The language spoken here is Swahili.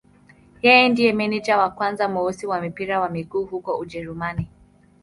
Yeye ndiye meneja wa kwanza mweusi wa mpira wa miguu huko Ujerumani.